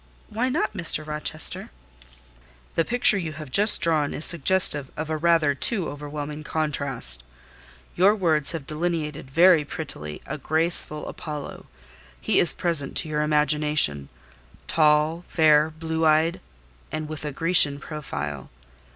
"Why not, Mr. Rochester?" "The picture you have just drawn is suggestive of a rather too overwhelming contrast. Your words have delineated very prettily a graceful Apollo: he is present to your imagination,—tall, fair, blue eyed, and with a Grecian profile.